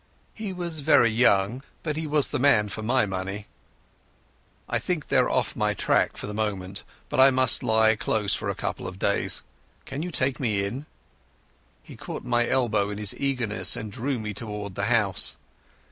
He was very young, but he was the man for my money. "I think they're off my track for the moment, but I must lie close for a couple of days. Can you take me in?" He caught my elbow in his eagerness and drew me towards the house.